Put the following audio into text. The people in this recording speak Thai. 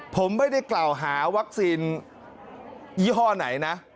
ผมไม่ได้กล่าวหาวัคซีนยี่ห้อไหนนะ